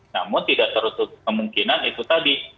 namun tidak tertutup kemungkinan itu tadi